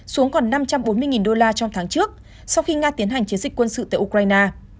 xuống còn năm trăm bốn mươi đô la trong tháng trước sau khi nga tiến hành chiến dịch quân sự tại ukraine